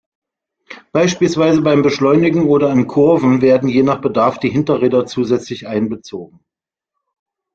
Beispielsweise beim Beschleunigen oder in Kurven werden je nach Bedarf die Hinterräder zusätzlich einbezogen.